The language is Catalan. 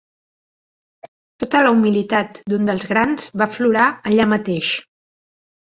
Tota la humilitat d'un dels grans va aflorar allà mateix.